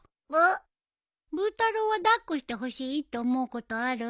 ブー太郎は抱っこしてほしいって思うことある？